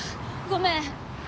ごめん。